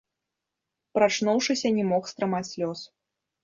Прачнуўшыся, не мог стрымаць слёз.